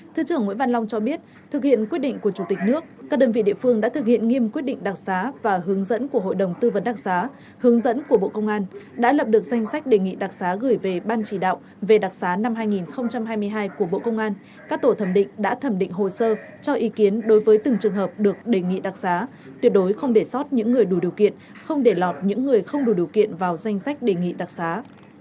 thứ trưởng nguyễn văn long cho biết thực hiện quyết định của chủ tịch nước các đơn vị địa phương đã thực hiện nghiêm quyết định đặc giá và hướng dẫn của hội đồng tư vấn đặc giá hướng dẫn của bộ công an đã lập được danh sách đề nghị đặc giá gửi về ban chỉ đạo về đặc giá năm hai nghìn hai mươi hai của bộ công an các tổ thẩm định đã thẩm định hồ sơ cho ý kiến đối với từng trường hợp được đề nghị đặc giá tuyệt đối không để sót những người đủ điều kiện không để lọt những người không đủ điều kiện vào danh sách đề nghị đặc giá